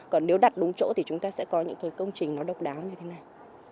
còn nếu đặt đúng chỗ thì chúng ta sẽ có những cái công trình nó độc đáo như thế này